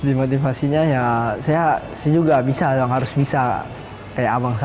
jadi motivasinya ya saya sejuga bisa yang harus bisa kayak abang saya